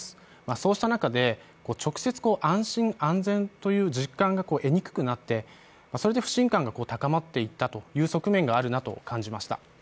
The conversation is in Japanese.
そうした中で直接、安心・安全という実感が得にくくなってそれで不信感が高まっていった側面があると思いました。